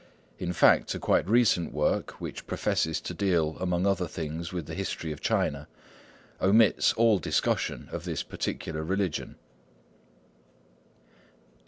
In fact, a quite recent work, which professes to deal among other things with the history of China, omits all discussion of this particular religion.